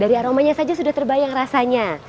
dari aromanya saja sudah terbayang rasanya